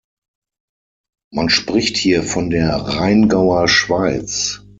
Man spricht hier von der "Rheingauer Schweiz".